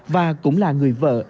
và cũng là người vợ